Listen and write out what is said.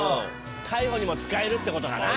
逮捕にも使えるってことかな。